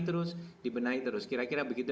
terus dibenahi terus kira kira begitu